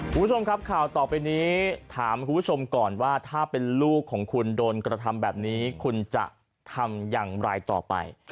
คุณผู้ชมครับข่าวต่อไปนี้ถามคุณผู้ชมก่อนว่าถ้าเป็นลูกของคุณโดนกระทำแบบนี้คุณจะทำอย่างไรต่อไป